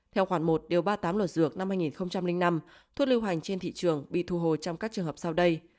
theo khoản một điều ba mươi tám luật dược năm hai nghìn năm thuốc lưu hành trên thị trường bị thu hồi trong các trường hợp sau đây